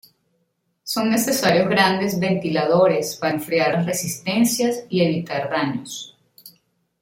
Son necesarios grandes ventiladores para enfriar las resistencias y evitar daños.